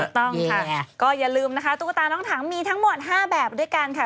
ต้องค่ะก็อย่าลืมนะคะตุ๊กตาน้องถังมีทั้งหมด๕แบบด้วยกันค่ะ